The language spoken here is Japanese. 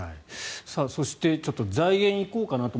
そして財源に行こうかなと。